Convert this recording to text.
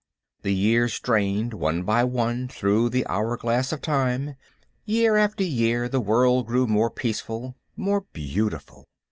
The years drained one by one through the hour glass of Time. Year after year, the world grew more peaceful, more beautiful.